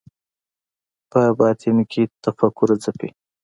په باطن کې تفکر ځپي